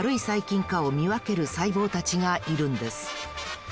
細菌かをみわけるさいぼうたちがいるんです。